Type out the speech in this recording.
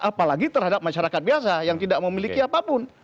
apalagi terhadap masyarakat biasa yang tidak memiliki apapun